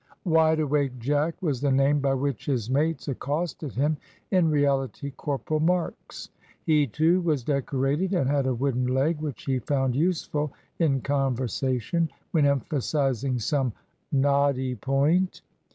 Wide awake Jack was the name by which his mates accosted him in reality Corporal Marks. He, too, was decorated, and had a wooden leg, which he found useful in conversation, when emphasizing some knotty point.